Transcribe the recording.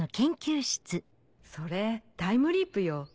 それタイムリープよ。